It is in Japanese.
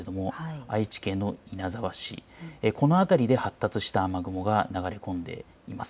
愛知県の稲沢市、この辺りで発達した雨雲が流れ込んでいます。